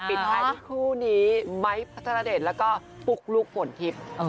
พวกนี้ไม๊ค์พระธรเดชแล้วก็ปุ๊กลุกฝนทิพย์